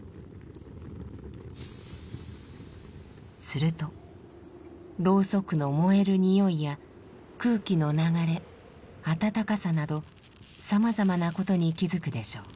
するとろうそくの燃える匂いや空気の流れ温かさなどさまざまなことに気づくでしょう。